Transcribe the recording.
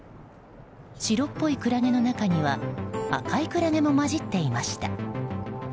白っぽいクラゲの中には赤いクラゲも交じっていました。